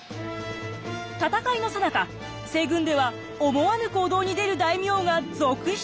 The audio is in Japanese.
戦いのさなか西軍では思わぬ行動に出る大名が続出。